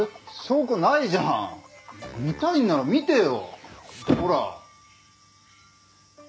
証拠ないじゃん見たいんなら見てよほら！